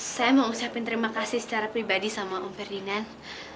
saya mau ucapin terima kasih secara pribadi sama om ferdinand